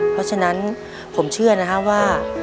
เพราะฉะนั้นผมเชื่อนะฮะว่า